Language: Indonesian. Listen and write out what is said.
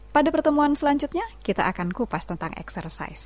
pada pertemuan selanjutnya kita akan kupas tentang eksersis